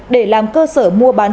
để làm cơ sở mua bán trái